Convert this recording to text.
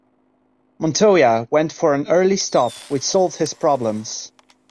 Montoya went for an early stop which solved his problems.